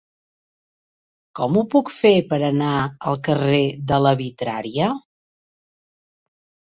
Com ho puc fer per anar al carrer de la Vitrària?